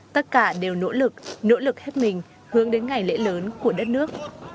tất cả đều nỗ lực nỗ lực hết mình hướng đến ngày lễ lớn của đất nước